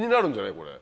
これ。